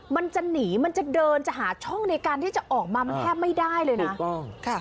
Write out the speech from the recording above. มันจะหนีมันจะเดินจะหาช่องในการที่จะออกมามันแทบไม่ได้เลยนะถูกต้องค่ะ